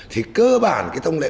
thì cơ bản cái thông lệ